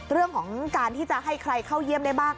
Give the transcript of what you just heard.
เรื่องของการที่จะให้ใครเข้าเยี่ยมได้บ้าง